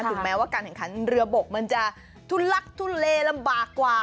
ถึงแม้ว่าการแข่งขันเรือบกมันจะทุลักทุเลลำบากกว่า